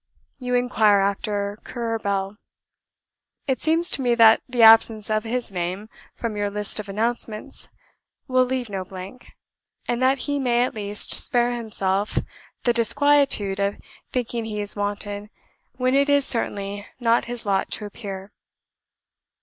You inquire after 'Currer Bell.' It seems to me that the absence of his name from your list of announcements will leave no blank, and that he may at least spare himself the disquietude of thinking he is wanted when it is certainly not his lot to appear.